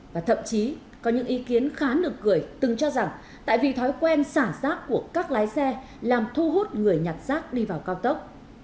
và thậm chí có những ý kiến khá nược cười từng cho rằng tại vì thói quen xả rác của các lái xe làm thu hút người nhặt rác đi vào cao tốc